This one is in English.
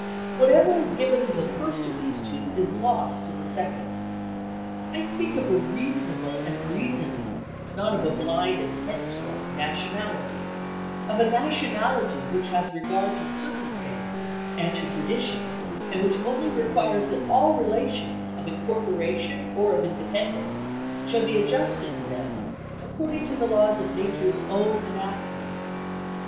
Whatever is given to the first of these two is lost to the second. I speak of a reasonable and reasoning, not of a blind and headstrong nationality; of a nationality which has regard to circumstances and to traditions, and which only requires that all relations, of incorporation or of independence, shall be adjusted to them according to the laws of Nature's own enactment.